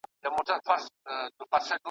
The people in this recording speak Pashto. نه ژغورلو ته دوستان مي سوای راتللای `